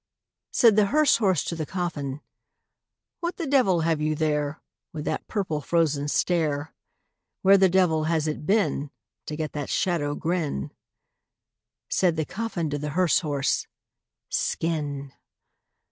Said the hearse horse to the coffin, "What the devil have you there, With that purple frozen stare? Where the devil has it been To get that shadow grin?" Said the coffin to the hearse horse, "Skin!"